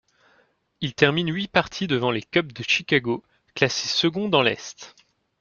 Ils terminent huit parties devant les Cubs de Chicago, classés seconds dans l'Est.